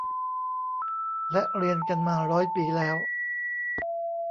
และเรียนกันมาร้อยปีแล้ว